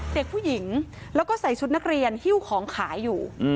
เด็กผู้หญิงแล้วก็ใส่ชุดนักเรียนหิ้วของขายอยู่